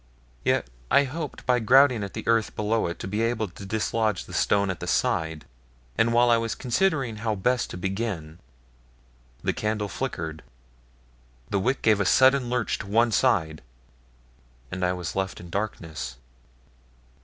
Yet I hoped by grouting at the earth below it to be able to dislodge the stone at the side; but while I was considering how best to begin, the candle flickered, the wick gave a sudden lurch to one side, and I was left in darkness.